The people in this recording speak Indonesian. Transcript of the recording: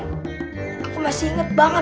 aku masih inget banget